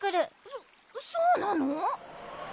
そそうなの？